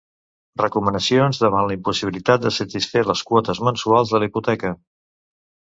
Recomanacions davant la impossibilitat de satisfer les quotes mensuals de la hipoteca.